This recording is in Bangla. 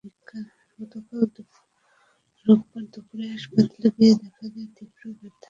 গতকাল রোববার দুপুরে হাসপাতালে গিয়ে দেখা যায়, তীব্র ব্যথায় কাতরাচ্ছেন হাসি বেগম।